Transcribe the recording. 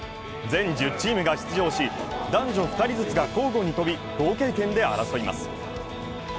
全１０チームが出場し、男女２人ずつが交互にとび合計点で争います。